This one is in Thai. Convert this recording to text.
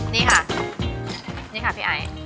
นี่ค่ะนี่ค่ะพี่ไอ